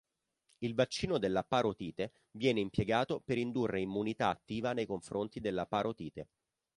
Il vaccino della parotite viene impiegato per indurre immunità attiva nei confronti della parotite.